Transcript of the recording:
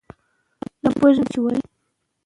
که علم او کلتور سره ولري، نو ټولنه ښه پروګرام لري.